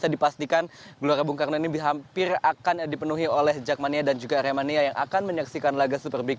dika selamat siang